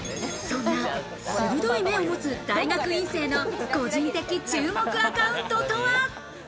そんな鋭い目を持つ大学院生の個人的注目アカウントとは？